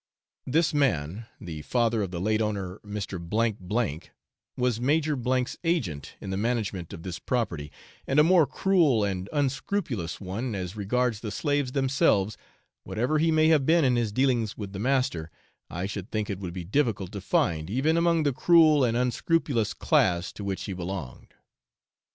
This man, the father of the late owner, Mr. R K , was Major 's agent in the management of this property; and a more cruel and unscrupulous one as regards the slaves themselves, whatever he may have been in his dealings with the master, I should think it would be difficult to find, even among the cruel and unscrupulous class to which he belonged.